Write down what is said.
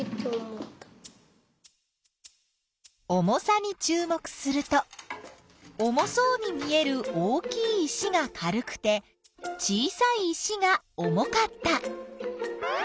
重さにちゅう目すると重そうに見える大きい石が軽くて小さい石が重かった。